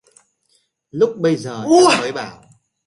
Lúc bây giờ em mới bảo